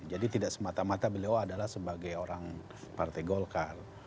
jadi tidak semata mata beliau adalah sebagai orang partai golkar